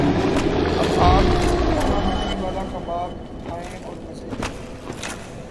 اب آپ بینا ہڈی والا کباب کھائیں اور مزے کریں